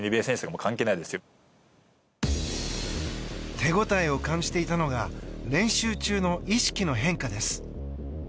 手応えを感じていたのが練習中の意識の変化です。